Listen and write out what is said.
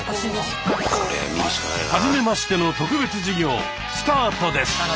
「はじめましての特別授業」スタートです！